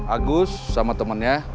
agus sama temennya